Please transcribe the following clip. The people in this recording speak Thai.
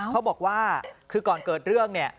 เขาบอกว่าคือก่อนเกิดเรื่องเนี่ย